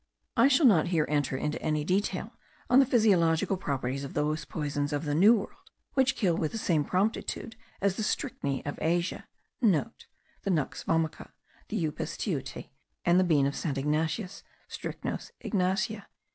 I shall not here enter into any detail on the physiological properties of those poisons of the New World which kill with the same promptitude as the strychneae of Asia,* (* The nux vomica, the upas tieute, and the bean of St. Ignatius, Strychnos Ignatia.)